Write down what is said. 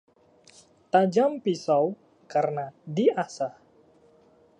Tajam pisau karena diasah